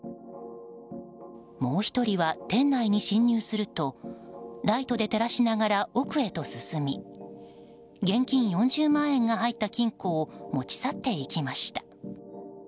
もう１人は店内に侵入するとライトで照らしながら奥へと進み現金４０万円が入った金庫を持ち去っていきました。